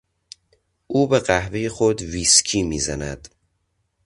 او به قهوهی خود ویسکی میزند.